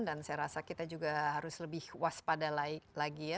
dan saya rasa kita juga harus lebih waspada lagi ya